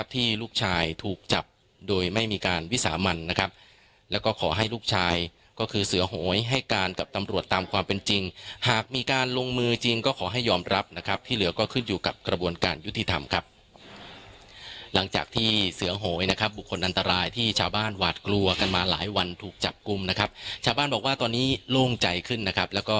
ที่ลูกชายถูกจับโดยไม่มีการวิสามันนะครับแล้วก็ขอให้ลูกชายก็คือเสือโหยให้การกับตำรวจตามความเป็นจริงหากมีการลงมือจริงก็ขอให้ยอมรับนะครับที่เหลือก็ขึ้นอยู่กับกระบวนการยุติธรรมครับหลังจากที่เสือโหยนะครับบุคคลอันตรายที่ชาวบ้านหวาดกลัวกันมาหลายวันถูกจับกลุ่มนะครับชาวบ้านบอกว่าตอนนี้โล่งใจขึ้นนะครับแล้วก็